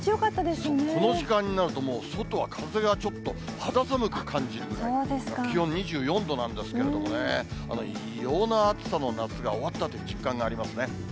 この時間になると、もう外は風がちょっと肌寒く感じるぐらい、気温２４度なんですけれどもね、異様な暑さの夏が終わったという実感がありますね。